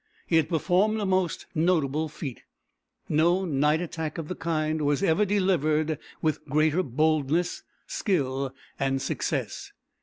He had performed a most notable feat. No night attack of the kind was ever delivered with greater boldness, skill, and success.